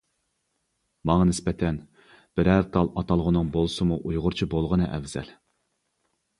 ماڭا نىسبەتەن بىرەر تال ئاتالغۇنىڭ بولسىمۇ ئۇيغۇرچە بولغىنى ئەۋزەل.